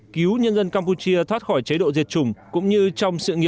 cứu nhân dân campuchia thoát khỏi chế độ diệt chủng